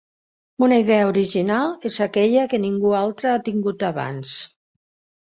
Una idea original és aquella que ningú altre ha tingut abans.